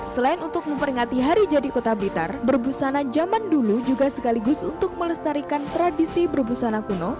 selain untuk memperingati hari jadi kota blitar berbusana zaman dulu juga sekaligus untuk melestarikan tradisi berbusana kuno